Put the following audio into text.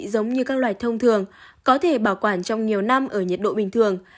giống như các loại thông thường có thể bảo quản trong nhiều năm ở nhiệt độ bình thường